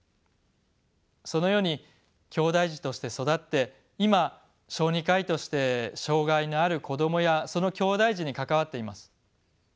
そのようにきょうだい児として育って今小児科医として障がいのある子どもやそのきょうだい児に関わっています。